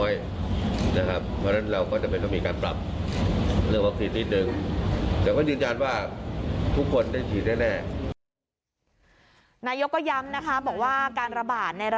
ก็เลยทำให้นายกกกกต้องมีการปรับเรื่องของการบริหารจัดการวัคซีน